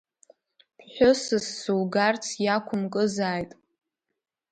Ԥҳәысыс сугарц иакәымкызааит…